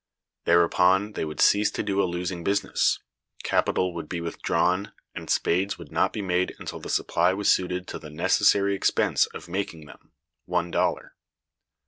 Thereupon they would cease to do a losing business, capital would be withdrawn, and spades would not be made until the supply was suited to the necessary expense of making them (one dollar).